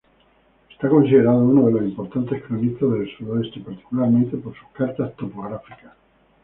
Es considerado uno de los importantes cronistas del sudoeste, particularmente por sus cartas topográficas.